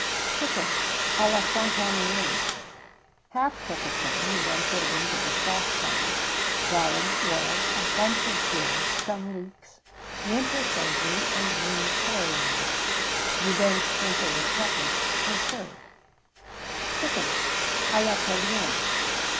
[XVII 34] Chicken à la Frontonienne. Half cook a chicken, and then put into the saucepan garum, oil, a bunch of dill, some leeks, winter savory, and green coriander. You then sprinkle with pepper, and serve.[XVII 35] _Chicken à la Cœlienne.